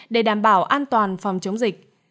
để đảm bảo an toàn phòng chống dịch